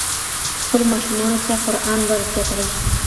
خپلو ماشومانو ته قرآن ور زده کړئ.